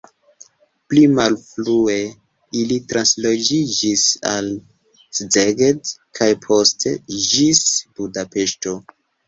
Pli malfrue ili transloĝiĝis al Szeged kaj poste ĝis Budapeŝto.